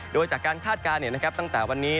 โดยว่าจากการคาดการณ์นะครับตั้งแต่วันนี้